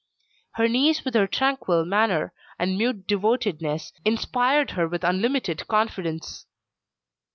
Her niece with her tranquil manner, and mute devotedness, inspired her with unlimited confidence.